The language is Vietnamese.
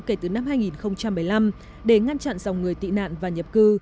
kể từ năm hai nghìn một mươi năm để ngăn chặn dòng người tị nạn và nhập cư